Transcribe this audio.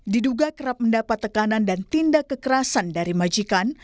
diduga kerap mendapat tekanan dan tindak kekerasan dari majikan